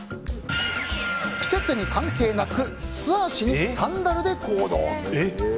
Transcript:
季節関係なく素足にサンダルで行動。